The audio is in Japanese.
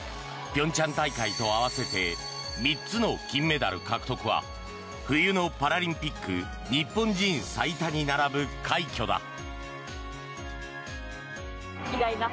平昌大会と合わせて３つの金メダル獲得は冬のパラリンピック日本人最多に並ぶ快挙だ。